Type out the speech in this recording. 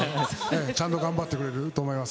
ちゃんと頑張ってくれると思います。